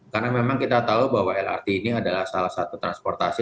karena memang kita tahu bahwa lrt ini adalah salah satu transportasi